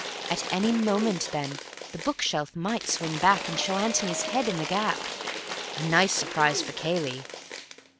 At any moment, then, the bookshelf might swing back and show Antony's head in the gap. A nice surprise for Cayley!